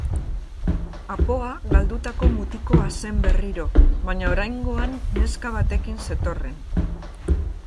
Apoa galdutako mutikoa zen berriro, baina oraingoan neska batekin zetorren.